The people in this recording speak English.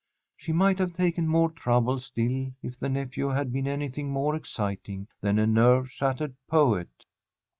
She might have taken more trouble still if the nephew had been anything more exciting than a nerve shattered poet.